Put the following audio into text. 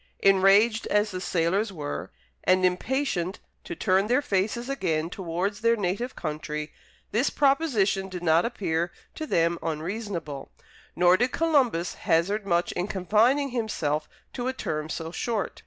Enraged as the sailors were, and impatient to turn their faces again towards their native country, this proposition did not appear to them unreasonable; nor did Columbus hazard much in confining himself to a term so short.